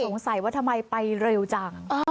สงสัยว่าทำไมไปเร็วจัง